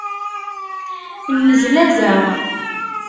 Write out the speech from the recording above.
Nnezlazeɣ.